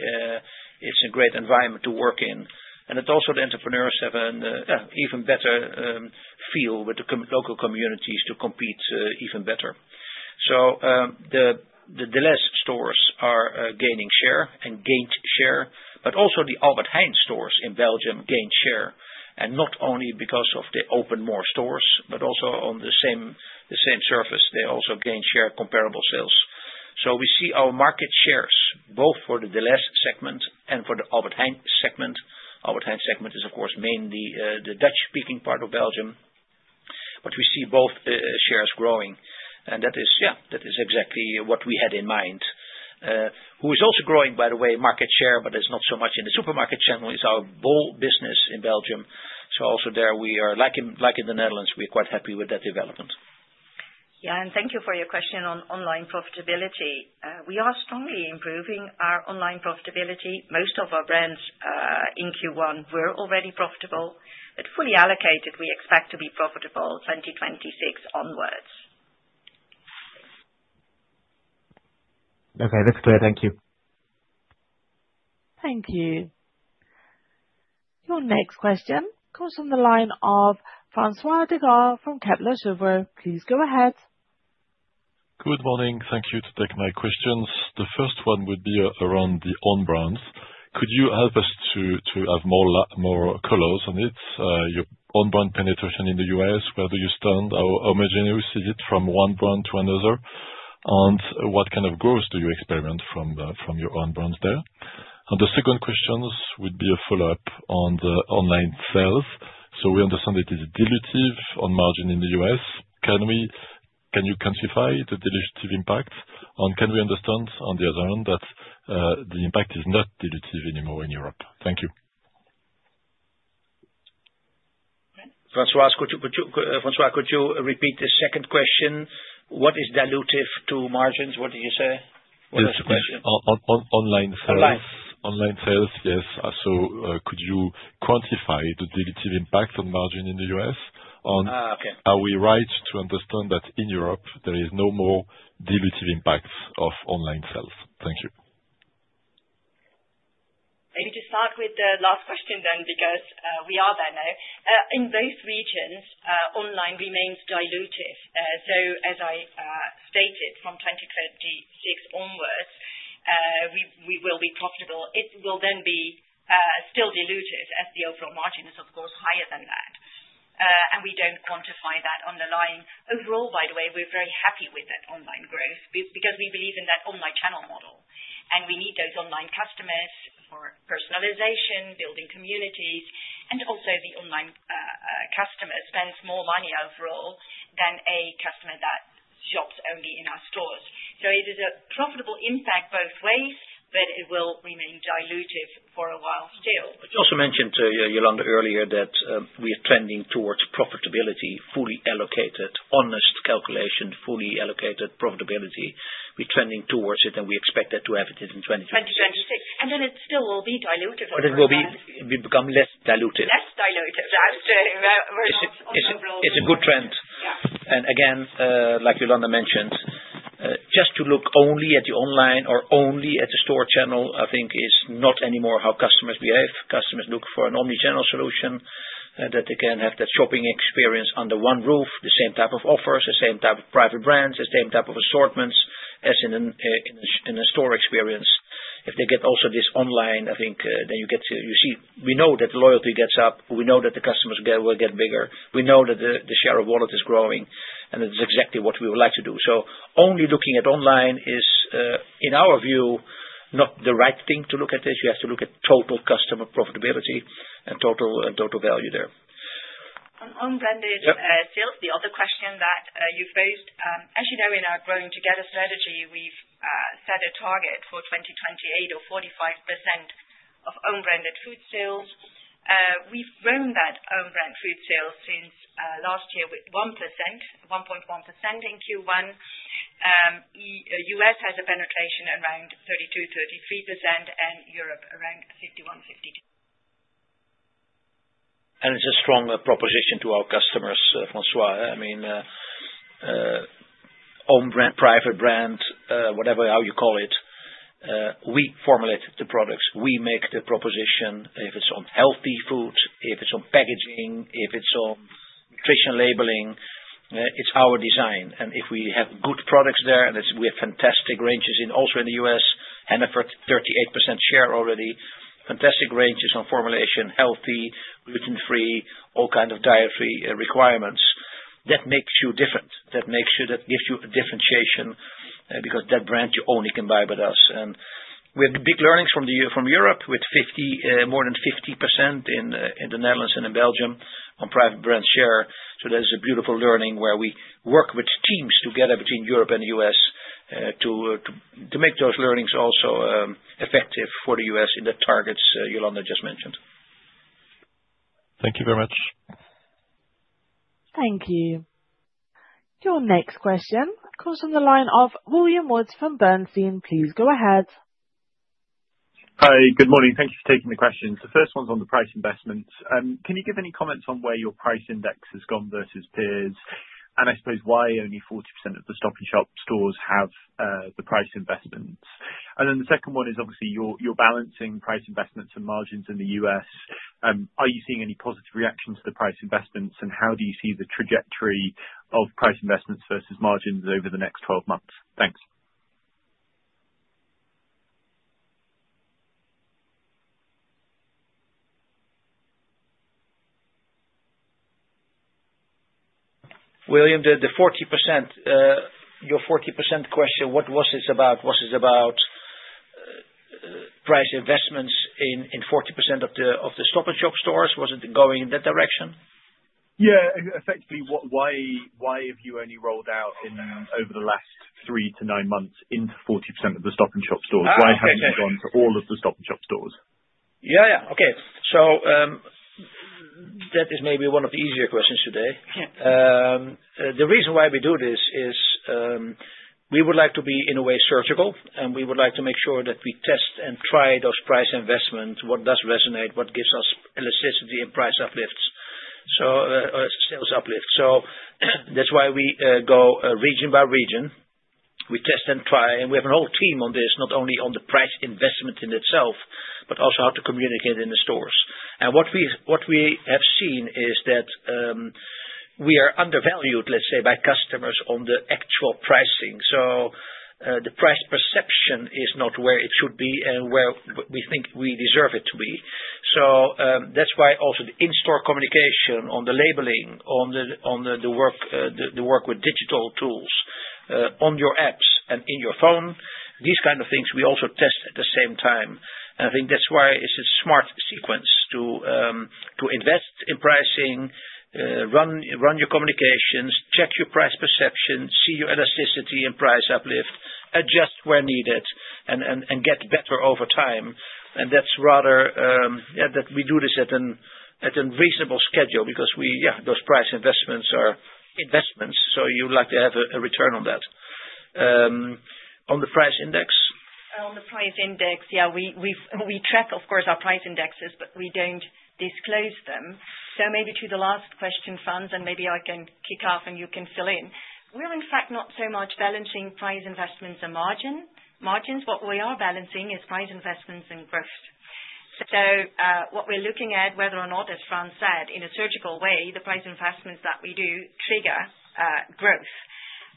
it's a great environment to work in. That also the entrepreneurs have an even better feel with the local communities to compete even better. The Delhaize stores are gaining share and gained share, but also the Albert Heijn stores in Belgium gained share. Not only because they opened more stores, but also on the same surface, they also gained share comparable sales. We see our market shares both for the Delhaize segment and for the Albert Heijn segment. The Albert Heijn segment is, of course, mainly the Dutch-speaking part of Belgium, but we see both shares growing. That is, yeah, that is exactly what we had in mind. Who is also growing, by the way, market share, but it's not so much in the supermarket channel, is our bol.com business in Belgium. Also there we are, like in the Netherlands, we are quite happy with that development. Yeah. Thank you for your question on online profitability. We are strongly improving our online profitability. Most of our brands in Q1 were already profitable, but fully allocated, we expect to be profitable 2026 onwards. Okay. That's clear. Thank you. Thank you. Your next question comes from the line of François Digard from Kepler Cheuvreux. Please go ahead. Good morning. Thank you to take my questions. The first one would be around the own-brands. Could you help us to have more colors on it? Your own-brand penetration in the U.S., where do you stand? How imaginary is it from one brand to another? And what kind of growth do you experiment from your own-brands there? The second question would be a follow-up on the online sales. We understand it is dilutive on margin in the U.S. Can you quantify the dilutive impact? Can we understand on the other hand that the impact is not dilutive anymore in Europe? Thank you. François, could you repeat the second question? What is dilutive to margins? What did you say? What was the question? Yes. Online sales. Online sales. Online sales, yes. Could you quantify the dilutive impact on margin in the U.S.? Are we right to understand that in Europe, there is no more dilutive impact of online sales? Thank you. Maybe to start with the last question then because we are there now. In both regions, online remains dilutive. As I stated, from 2026 onwards, we will be profitable. It will then be still dilutive as the overall margin is, of course, higher than that. We do not quantify that on the line. Overall, by the way, we are very happy with that online growth because we believe in that online channel model. We need those online customers for personalization, building communities, and also the online customer spends more money overall than a customer that shops only in our stores. It is a profitable impact both ways, but it will remain dilutive for a while still. You also mentioned, Jolanda, earlier that we are trending towards profitability, fully allocated, honest calculation, fully allocated profitability. We are trending towards it, and we expect that to happen in 2026. 2026. It still will be dilutive. It will become less dilutive. Less dilutive. We're on the roll. It's a good trend. Like Jolanda mentioned, just to look only at the online or only at the store channel, I think, is not anymore how customers behave. Customers look for an omnichannel solution that they can have that shopping experience under one roof, the same type of offers, the same type of private brands, the same type of assortments as in a store experience. If they get also this online, I think, then you see we know that the loyalty gets up. We know that the customers will get bigger. We know that the share of wallet is growing, and that's exactly what we would like to do. Only looking at online is, in our view, not the right thing to look at this. You have to look at total customer profitability and total value there. On branded sales, the other question that you posed, as you know, in our Growing Together strategy, we've set a target for 2028 of 45% of own-branded food sales. We've grown that own-brand food sales since last year with 1.1% in Q1. U.S. has a penetration around 32-33%, and Europe around 51-52%. It's a strong proposition to our customers, François. I mean, own brand, private brand, whatever how you call it, we formulate the products. We make the proposition if it's on healthy food, if it's on packaging, if it's on nutrition labeling, it's our design. If we have good products there, and we have fantastic ranges also in the U.S., Hannaford, 38% share already, fantastic ranges on formulation, healthy, gluten-free, all kinds of dietary requirements. That makes you different. That gives you a differentiation because that brand you only can buy with us. We have big learnings from Europe with more than 50% in the Netherlands and in Belgium on private brand share. That is a beautiful learning where we work with teams together between Europe and the U.S. to make those learnings also effective for the U.S. in the targets Jolanda just mentioned. Thank you very much. Thank you. Your next question comes from the line of William Woods from Bernstein. Please go ahead. Hi. Good morning. Thank you for taking the question. The first one's on the price investments. Can you give any comments on where your price index has gone versus peers? I suppose why only 40% of the Stop & Shop stores have the price investments. The second one is obviously your balancing price investments and margins in the U.S. Are you seeing any positive reaction to the price investments, and how do you see the trajectory of price investments versus margins over the next 12 months? Thanks. William, the 40%, your 40% question, what was it about? Was it about price investments in 40% of the Stop & Shop stores? Was it going in that direction? Yeah. Effectively, why have you only rolled out over the last three to nine months into 40% of the Stop & Shop stores? Why haven't you gone to all of the Stop & Shop stores? Yeah. Yeah. Okay. That is maybe one of the easier questions today. The reason why we do this is we would like to be, in a way, surgical, and we would like to make sure that we test and try those price investments, what does resonate, what gives us elasticity in price uplifts, sales uplifts. That is why we go region by region. We test and try, and we have a whole team on this, not only on the price investment in itself, but also how to communicate in the stores. What we have seen is that we are undervalued, let's say, by customers on the actual pricing. The price perception is not where it should be and where we think we deserve it to be. That is why also the in-store communication on the labeling, on the work with digital tools, on your apps and in your phone, these kinds of things we also test at the same time. I think that is why it is a smart sequence to invest in pricing, run your communications, check your price perception, see your elasticity in price uplift, adjust where needed, and get better over time. That is rather that we do this at a reasonable schedule because, yeah, those price investments are investments, so you would like to have a return on that. On the price index? On the price index, yeah. We track, of course, our price indexes, but we do not disclose them. Maybe to the last question, Frans, and maybe I can kick off and you can fill in. We are, in fact, not so much balancing price investments and margins. What we are balancing is price investments and growth. What we are looking at, whether or not, as Frans said, in a surgical way, the price investments that we do trigger growth.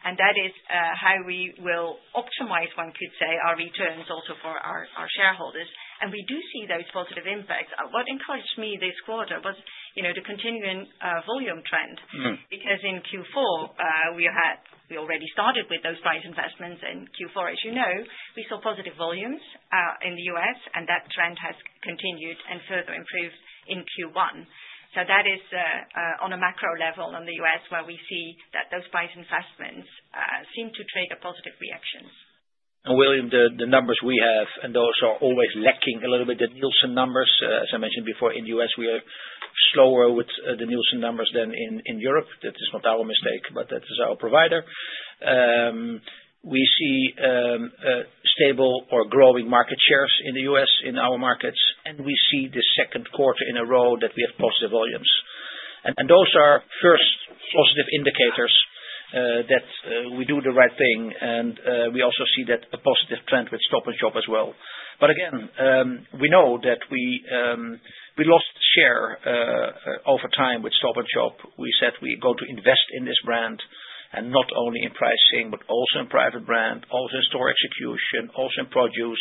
That is how we will optimize, one could say, our returns also for our shareholders. We do see those positive impacts. What encouraged me this quarter was the continuing volume trend because in Q4, we already started with those price investments. In Q4, as you know, we saw positive volumes in the US, and that trend has continued and further improved in Q1. That is on a macro level in the U.S. where we see that those price investments seem to trigger positive reactions. William, the numbers we have, and those are always lacking a little bit, the Nielsen numbers, as I mentioned before, in the U.S., we are slower with the Nielsen numbers than in Europe. That is not our mistake, but that is our provider. We see stable or growing market shares in the U.S. in our markets, and we see the second quarter in a row that we have positive volumes. Those are first positive indicators that we do the right thing, and we also see that a positive trend with Stop & Shop as well. Again, we know that we lost share over time with Stop & Shop. We said we're going to invest in this brand and not only in pricing, but also in private brand, also in store execution, also in produce,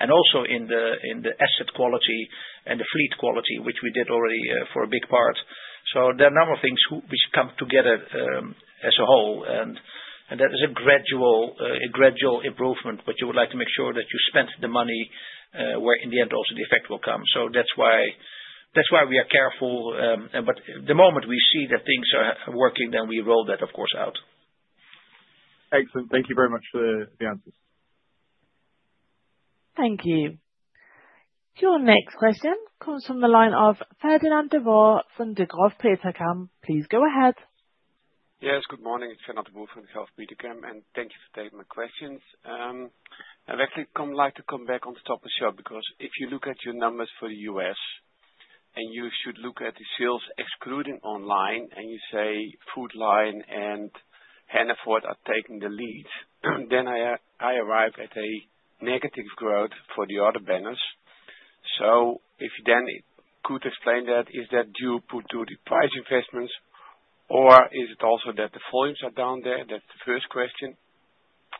and also in the asset quality and the fleet quality, which we did already for a big part. There are a number of things which come together as a whole, and that is a gradual improvement, but you would like to make sure that you spent the money where in the end also the effect will come. That is why we are careful. The moment we see that things are working, then we roll that, of course, out. Excellent. Thank you very much for the answers. Thank you. Your next question comes from the line of Fernand de Boer from Degroof Petercam. Please go ahead. Yes. Good morning. Ferdinand Duval from Degroof Petercam. Thank you for taking my questions. I'd actually like to come back on Stop & Shop because if you look at your numbers for the US, and you should look at the sales excluding online, and you say Food Lion and Hannaford are taking the lead, I arrive at a negative growth for the other brands. If you could explain that, is that due to the price investments, or is it also that the volumes are down there? That's the first question.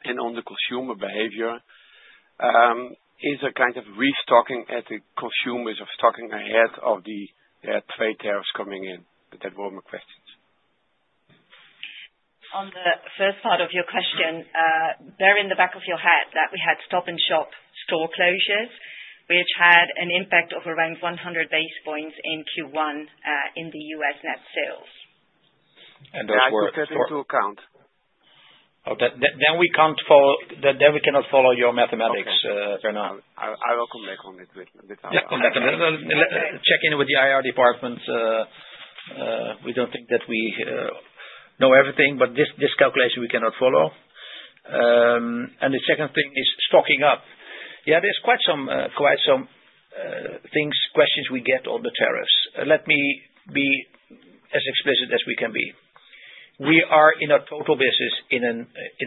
On the consumer behavior, is there kind of restocking at the consumers or stocking ahead of the trade tariffs coming in? That were my questions. On the first part of your question, bear in the back of your head that we had Stop & Shop store closures, which had an impact of around 100 basis points in Q1 in the U.S. net sales. That's what we take into account. We cannot follow your mathematics, Fernand. I will come back on it with our mathematics. Let's check in with the IR department. We don't think that we know everything, but this calculation we cannot follow. The second thing is stocking up. Yeah, there's quite some things, questions we get on the tariffs. Let me be as explicit as we can be. We are in a total business in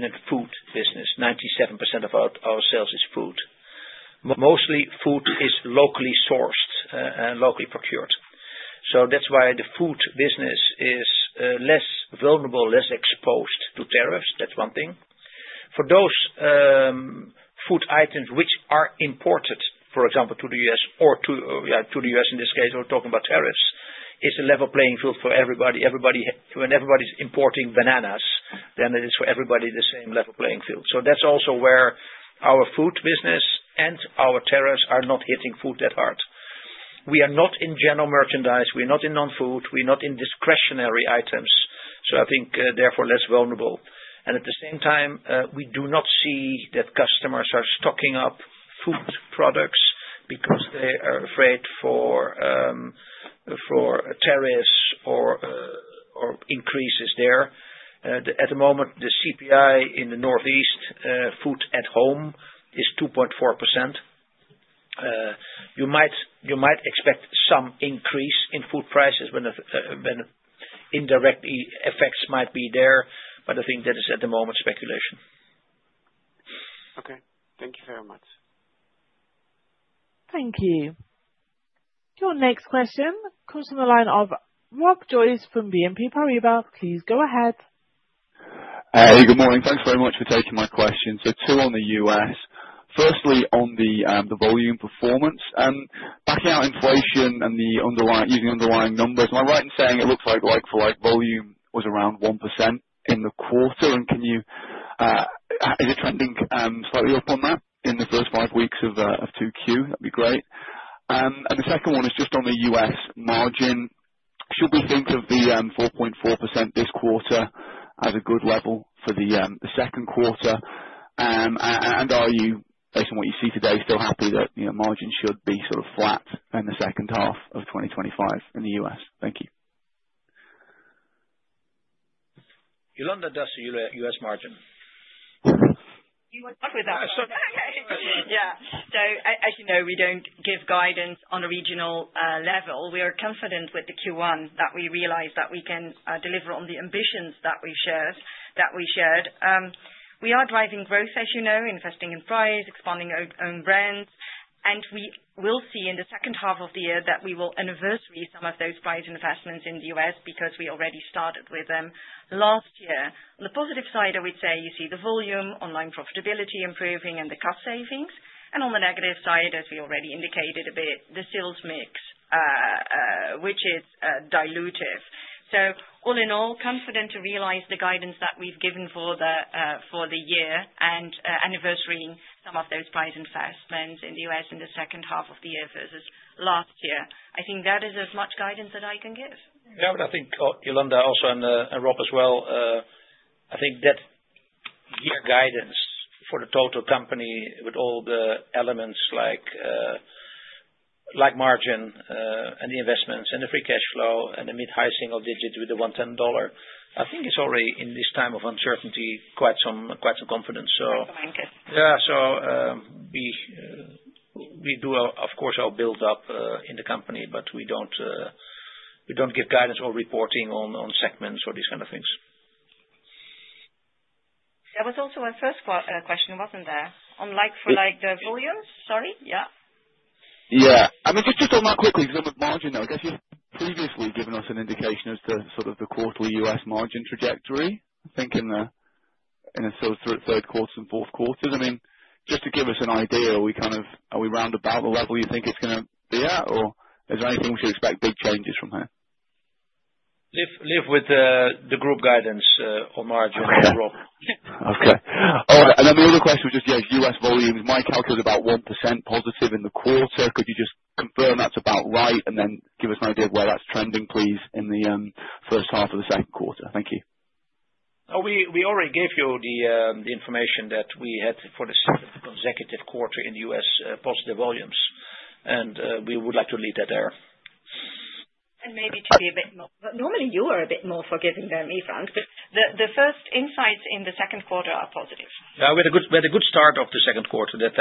a food business. 97% of our sales is food. Mostly food is locally sourced and locally procured. That's why the food business is less vulnerable, less exposed to tariffs. That's one thing. For those food items which are imported, for example, to the U.S., or to the U.S. in this case, we're talking about tariffs, it's a level playing field for everybody. When everybody's importing bananas, then it is for everybody the same level playing field. That's also where our food business and our tariffs are not hitting food that hard. We are not in general merchandise. We are not in non-food. We are not in discretionary items. I think therefore less vulnerable. At the same time, we do not see that customers are stocking up food products because they are afraid for tariffs or increases there. At the moment, the CPI in the Northeast, food at home, is 2.4%. You might expect some increase in food prices when indirect effects might be there, but I think that is at the moment speculation. Okay. Thank you very much. Thank you. Your next question comes from the line of Rob Joyce from BNP Paribas. Please go ahead. Hey, good morning. Thanks very much for taking my question. Two on the U.S. Firstly, on the volume performance, backing out inflation and using underlying numbers, am I right in saying it looks like volume was around 1% in the quarter? Is it trending slightly up on that in the first five weeks of Q2? That would be great. The second one is just on the U.S. margin. Should we think of the 4.4% this quarter as a good level for the second quarter? Are you, based on what you see today, still happy that margin should be sort of flat in the second half of 2025 in the U.S.? Thank you. Jolanda, that's the U.S. margin. You were stuck with that one. Yeah. As you know, we do not give guidance on a regional level. We are confident with the Q1 that we realize that we can deliver on the ambitions that we shared. We are driving growth, as you know, investing in price, expanding own brands. We will see in the second half of the year that we will anniversary some of those price investments in the U.S. because we already started with them last year. On the positive side, I would say you see the volume, online profitability improving, and the cost savings. On the negative side, as we already indicated a bit, the sales mix, which is dilutive. All in all, confident to realize the guidance that we've given for the year and anniversarying some of those price investments in the U.S. in the second half of the year versus last year. I think that is as much guidancJ that I can give. Yeah. I think, Jolanda, also and Rob as well, I think that year guidance for the total company with all the elements like margin and the investments and the free cash flow and the mid-high single digit with the $110, I think it's already in this time of uncertainty, quite some confidence. Thank you. Yeah. We do, of course, our build-up in the company, but we do not give guidance or reporting on segments or these kind of things. That was also my first question, wasn't there? For the volumes? Sorry. Yeah. Yeah. I mean, just to talk about quickly because I'm at margin now. I guess you've previously given us an indication as to sort of the quarterly U.S. margin trajectory, I think in the third quarter and fourth quarter. I mean, just to give us an idea, are we round about the level you think it's going to be at, or is there anything we should expect big changes from here? Live with the group guidance on margin and growth. Okay. All right. The other question was just U.S. volumes. My calculator is about 1% positive in the quarter. Could you just confirm that's about right and then give us an idea of where that's trending, please, in the first half of the second quarter? Thank you. We already gave you the information that we had for the consecutive quarter in the U.S. positive volumes, and we would like to leave that there. Maybe to be a bit more normally, you are a bit more forgiving than me, Frans, but the first insights in the second quarter are positive. Yeah. We had a good start of the second quarter that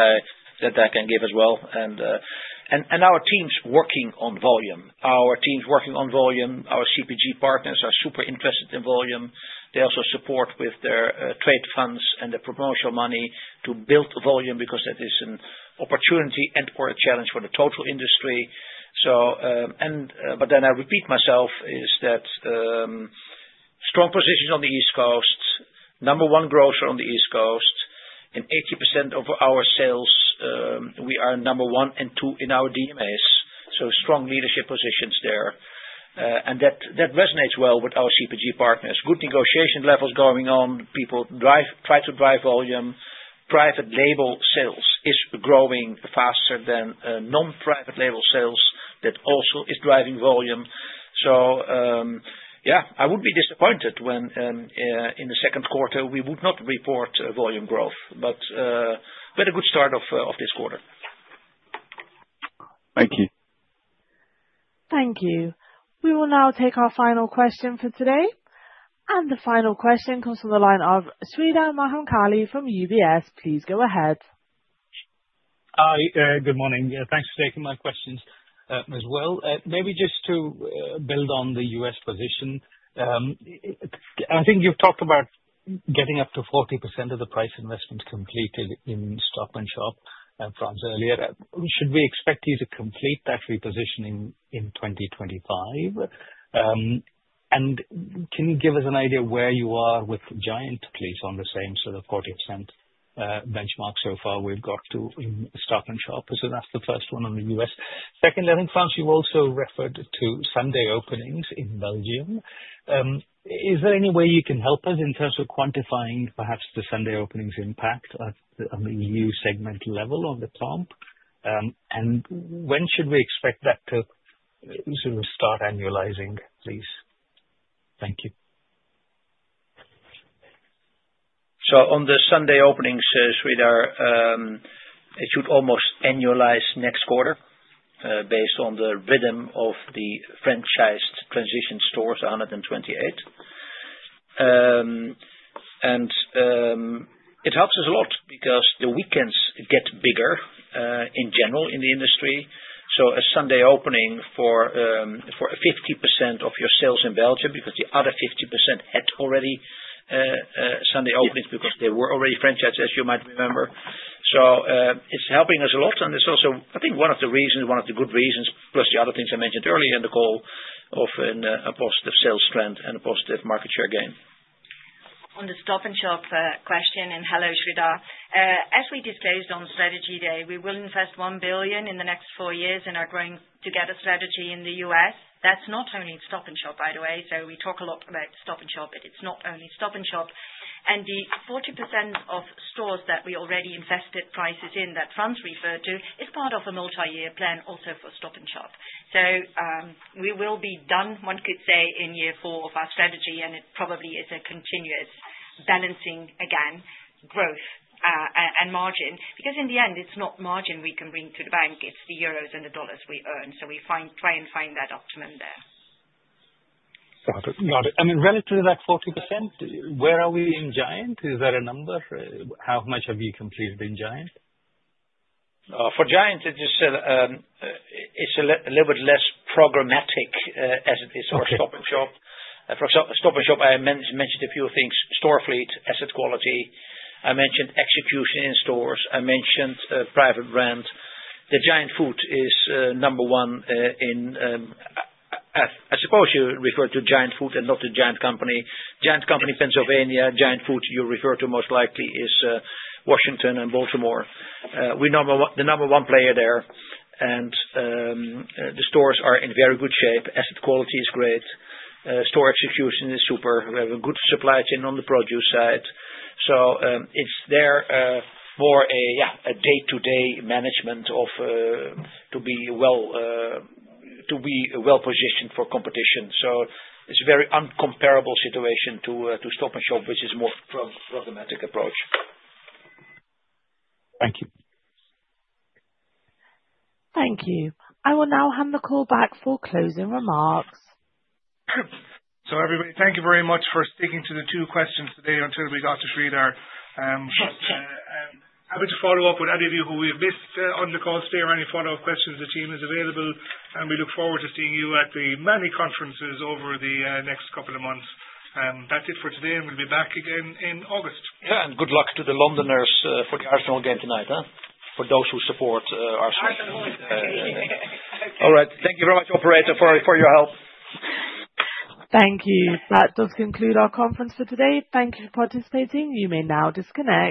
I can give as well. Our team's working on volume. Our CPG partners are super interested in volume. They also support with their trade funds and the promotional money to build volume because that is an opportunity and/or a challenge for the total industry. I repeat myself, strong positions on the East Coast, number one grocer on the East Coast, and 80% of our sales, we are number one and two in our DMAs. Strong leadership positions there. That resonates well with our CPG partners. Good negotiation levels going on. People try to drive volume. Private label sales is growing faster than non-private label sales. That also is driving volume. Yeah, I would be disappointed when in the second quarter we would not report volume growth, but we had a good start of this quarter. Thank you. Thank you. We will now take our final question for today. The final question comes from the line of Sreedhar Mahamkali from UBS. Please go ahead. Hi. Good morning. Thanks for taking my questions as well. Maybe just to build on the U.S. position, I think you've talked about getting up to 40% of the price investments completed in Stop & Shop, Frans, earlier. Should we expect you to complete that repositioning in 2025? Can you give us an idea where you are with Giant? At least on the same sort of 40% benchmark so far we've got to in Stop & Shop. That is the first one on the U.S. Secondly, I think, Frans, you've also referred to Sunday openings in Belgium. Is there any way you can help us in terms of quantifying perhaps the Sunday openings impact on the EU segment level on the comp? When should we expect that to sort of start annualizing, please? Thank you. On the Sunday openings, Sridhar, it should almost annualize next quarter based on the rhythm of the franchised transition stores, 128. It helps us a lot because the weekends get bigger in general in the industry. A Sunday opening for 50% of your sales in Belgium because the other 50% had already Sunday openings because they were already franchised, as you might remember. It is helping us a lot. It is also, I think, one of the reasons, one of the good reasons, plus the other things I mentioned earlier in the call, often a positive sales trend and a positive market share gain. On the Stop & Shop question, and hello, Sridhar. As we disclosed on strategy day, we will invest 1 billion in the next four years in our Growing Together strategy in the U.S. That's not only Stop & Shop, by the way. We talk a lot about Stop & Shop, but it's not only Stop & Shop. The 40% of stores that we already invested prices in that Frans referred to is part of a multi-year plan also for Stop & Shop. We will be done, one could say, in year four of our strategy, and it probably is a continuous balancing again, growth and margin. Because in the end, it's not margin we can bring to the bank. It's the euros and the dollars we earn. We try and find that optimum there. Got it. Got it. Relative to that 40%, where are we in Giant? Is that a number? How much have you completed in Giant? For Giant, it's a little bit less programmatic as it is for Stop & Shop. For Stop & Shop, I mentioned a few things: store fleet, asset quality. I mentioned execution in stores. I mentioned private brand. The Giant Food is number one in, I suppose you refer to Giant Food and not The Giant Company. Giant Company, Pennsylvania. Giant Food you refer to most likely is Washington and Baltimore. We're the number one player there. The stores are in very good shape. Asset quality is great. Store execution is super. We have a good supply chain on the produce side. It's there for a day-to-day management to be well positioned for competition. It's a very uncomparable situation to Stop & Shop, which is a more problematic approach. Thank you. Thank you. I will now hand the call back for closing remarks. Thank you very much for sticking to the two questions today on tour, Dr. Sridhar. Sure. Happy to follow up with any of you who we've missed on the call. Stay around if you have follow up questions. The team is available. We look forward to seeing you at the many conferences over the next couple of months. That's it for today, and we'll be back again in August. Yeah. Good luck to the Londoners for the Arsenal game tonight, for those who support Arsenal. All right. Thank you very much, operator, for your help. Thank you. That does conclude our conference for today. Thank you for participating. You may now disconnect.